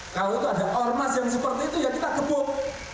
kalau itu ada ormas yang seperti itu ya kita gebuk